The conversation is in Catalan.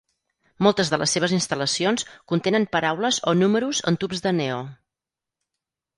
Moltes de les seves instal·lacions contenen paraules o números en tubs de neó.